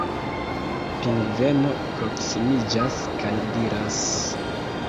Pingveno proksimiĝas kaj diras: